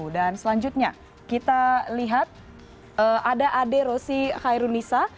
dan selanjutnya kita lihat ada ade rosi khairul nisa